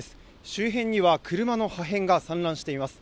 周辺には車の破片が散乱しています。